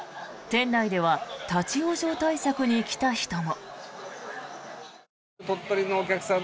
店内では立ち往生対策に来た人も。